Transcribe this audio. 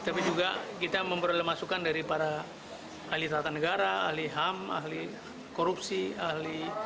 tapi juga kita memperoleh masukan dari para ahli tata negara ahli ham ahli korupsi ahli